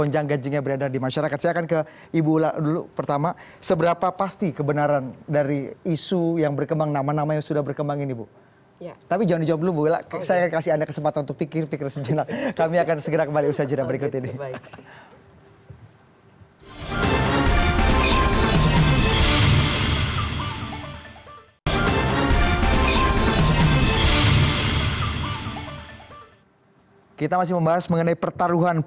jadi sistemnya langsung dianggap